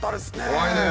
怖いね。